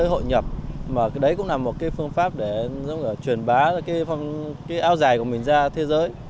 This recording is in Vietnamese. tới hội nhập mà đấy cũng là một phương pháp để truyền bá áo dài của mình ra thế giới